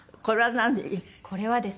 これは何？